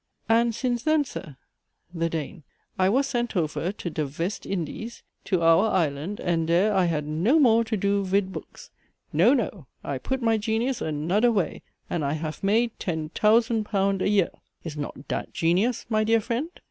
And since then, Sir ? THE DANE. I was sent ofer to dhe Vest Indies to our Island, and dhere I had no more to do vid books. No! no! I put my genius anodher way and I haf made ten tousand pound a year. Is not dhat ghenius, my dear friend?